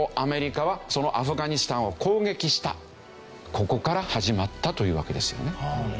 ここから始まったというわけですよね。